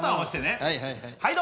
はいはいはい。